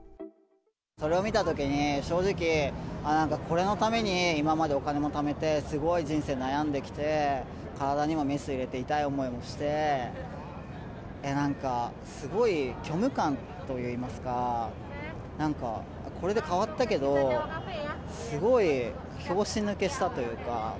それを見たときに、正直、なんかこれのために今までお金もためて、すごい人生悩んできて、体にもメスを入れて痛い思いもして、なんかすごい虚無感といいますか、なんか、これで変わったけど、すごい拍子抜けしたというか。